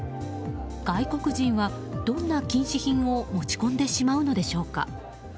外国人はどんな禁止品を持ち込んでしまうのでしょうか。